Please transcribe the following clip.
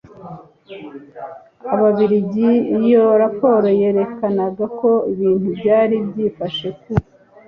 y Ababirigi Iyo raporo yerekanaga uko ibintu byari byifashe ku